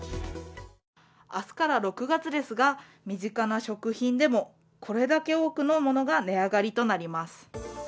明日から６月ですが身近な食品でもこれだけ多くのものが値上がりとなります。